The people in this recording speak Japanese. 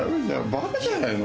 バカじゃないの？